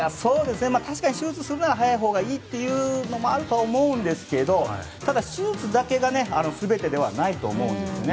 確かに手術するなら早いほうがいいというのもあると思うんですがただ、手術だけが全てではないと思うんですね。